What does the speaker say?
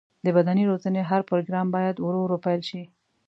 د بدني روزنې هر پروګرام باید ورو ورو پیل شي.